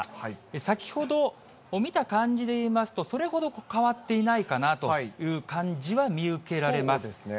先ほど、見た感じでいいますと、それほど変わっていないかなという感じは見受けられます。